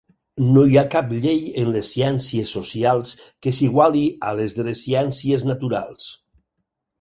No hi ha cap llei en les ciències socials que s'iguali a les de les ciències naturals.